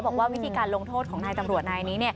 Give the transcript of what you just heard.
บอกว่าวิธีการลงโทษของนายตำรวจนายนี้